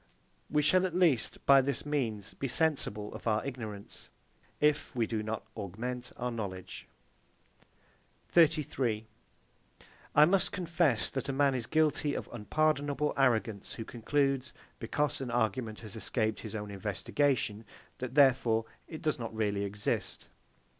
We shall at least, by this means, be sensible of our ignorance, if we do not augment our knowledge. 33. I must confess that a man is guilty of unpardonable arrogance who concludes, because an argument has escaped his own investigation, that therefore it does not really exist.